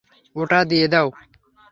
ওটা দিয়ে দাও!